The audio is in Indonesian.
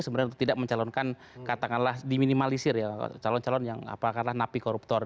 sebenarnya untuk tidak mencalonkan katakanlah diminimalisir ya calon calon yang apakah napi koruptor